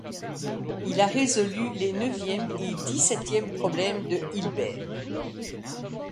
Il a résolu les neuvième et dix-septième problèmes de Hilbert.